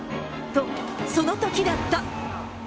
と、そのときだった。